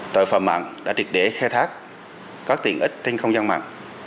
tội phạm mạng đã được để khai thác có tiện ích trên không gian mạng